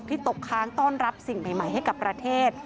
ตกค้างต้อนรับสิ่งใหม่ให้กับประเทศ